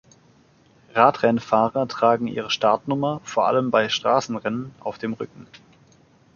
Radrennfahrer tragen ihre Startnummer, vor allem bei Straßenrennen, auf dem Rücken.